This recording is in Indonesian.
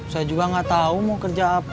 saya juga gak tau mau kerja apa